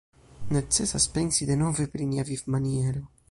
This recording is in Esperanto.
Necesas pensi denove pri nia vivmaniero.